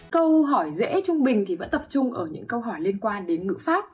câu hỏi dễ trung bình thì vẫn tập trung ở những câu hỏi liên quan đến ngữ pháp